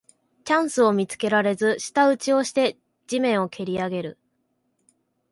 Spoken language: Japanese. チャンスを見つけられず舌打ちをして地面をけりあげる